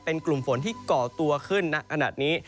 เป็นกลุ่มฝนที่ก่อตัวขึ้นณขนาดนี้